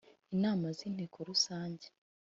inama z Inteko Rusange